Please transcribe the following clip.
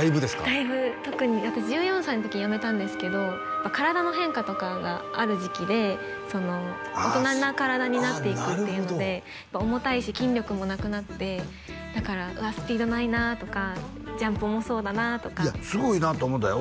だいぶ特に私１４歳の時にやめたんですけど体の変化とかがある時期で大人な体になっていくっていうので重たいし筋力もなくなってだから「うわっスピードないな」とか「ジャンプ重そうだな」とかいやすごいなと思ったよ